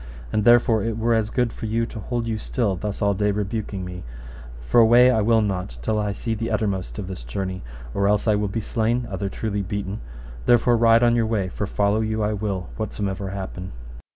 And therefore it were as good for you to hold you still thus all day rebuking me, for away will I not till I see the uttermost of this journey, or else I will be slain, other truly beaten; therefore ride on your way, for follow you I will whatsomever happen.